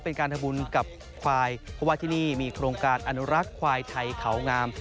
เป็นการทำบุญกับควายเพราะว่าที่นี่มีโครงการอนุรักษ์ควายไทยเขางาม